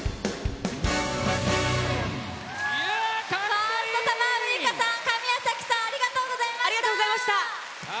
ファーストサマーウイカさん、カミヤサキさんありがとうございました。